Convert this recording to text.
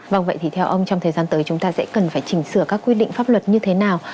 vâng vậy thì theo ông trong thời gian tới chúng ta sẽ cần phải chỉnh sửa các quy định pháp luật như thế nào